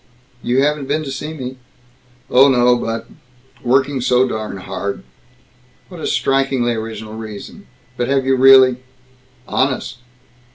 "You haven't been to see me." "Oh no, but Working so darn hard." "What a strikingly original reason! But have you really?" "Honest."